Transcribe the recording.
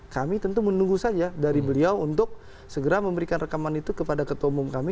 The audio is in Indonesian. kami tentu menunggu saja dari beliau untuk segera memberikan rekaman itu kepada ketua umum kami